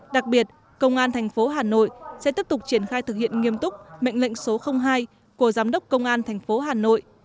đặc biệt công an thành phố hà nội sẽ tiếp tục triển khai thực hiện nghiêm túc mệnh lệnh số hai của giám đốc công an thành phố hà nội